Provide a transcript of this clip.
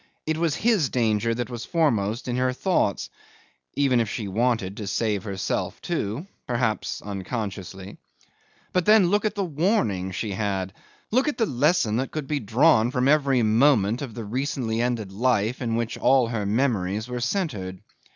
It was his danger that was foremost in her thoughts even if she wanted to save herself too perhaps unconsciously: but then look at the warning she had, look at the lesson that could be drawn from every moment of the recently ended life in which all her memories were centred.